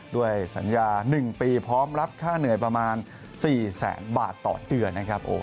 ด้วยสัญญา๑ปีพร้อมรับค่าเหนื่อยประมาณ